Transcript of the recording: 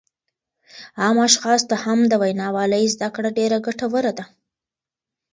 عامو اشخاصو ته هم د وینا والۍ زده کړه ډېره ګټوره ده